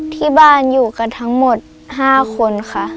ที่บ้านอยู่กันทั้งหมด๕คนค่ะ